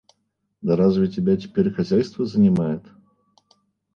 Да разве тебя теперь хозяйство занимает?